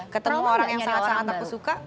ketemu orang yang sangat sangat aku suka